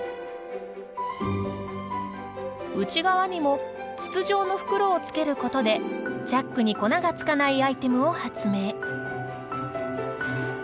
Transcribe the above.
内側にも筒状の袋をつけることでチャックに粉がつかないアイテムを発明。